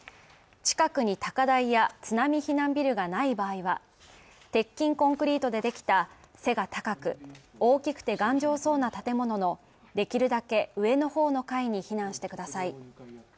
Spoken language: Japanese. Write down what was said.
近くに高台や津波避難ビルがない場合は、鉄筋コンクリートでできた背が高く、大きくて頑丈そうな建物のできるだけ上の方の階に避難してください。